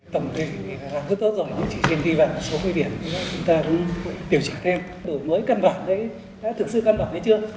chúng ta cũng phải điều tra thêm đổi mới cân bản đã thực sự cân bản hay chưa